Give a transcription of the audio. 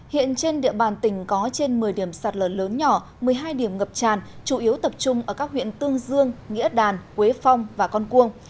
hiện trên địa bàn tỉnh có trên một mươi điểm sạt lở lớn nhỏ một mươi hai điểm ngập tràn chủ yếu tập trung ở các huyện tương dương nghĩa đàn quế phong và con cuông